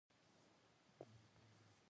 خو د تودې منډۍ انجام یې ولید.